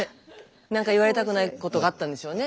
何か言われたくないことがあったんでしょうね。